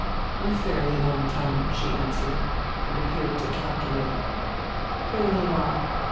"A fairly long time," she answered, and appeared to calculate. "Fairly long.